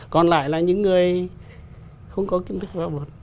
còn lại là những người không có kiểm tra pháp luật